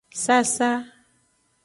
Sasa.